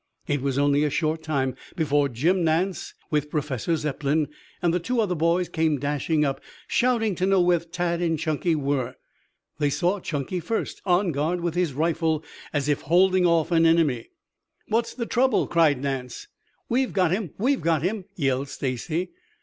It was only a short time before Jim Nance with Professor Zepplin and the two other boys came dashing up, shouting to know where Tad and Chunky were. They saw Chunky first, on guard with his rifle as if holding off an enemy. "What's the trouble?" cried Nance. "We've got him! We've got him!" yelled Stacy.